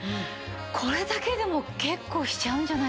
これだけでも結構しちゃうんじゃないですか？